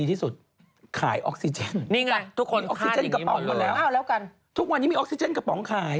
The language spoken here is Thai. ออกตัวกระป๋องมาแล้วทุกวันนี้มีออกตัวกระป๋องขาย